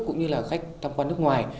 cũng như là khách tham quan nước ngoài